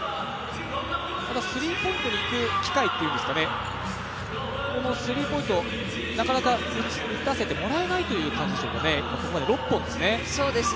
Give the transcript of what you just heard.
スリーポイントにいく機会というんですかね、なかなか打たせてもらえないという感じでしょうかね、ここまで６本ですかね。